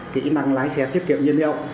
kỹ năng lái xe tiết kiệm nhân hiệu